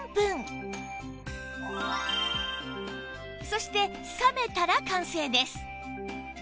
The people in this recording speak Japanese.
そして冷めたら完成です